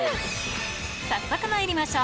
早速まいりましょう。